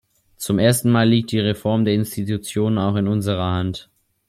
Zum ersten Mal liegt die Reform der Institutionen auch in unserer Hand.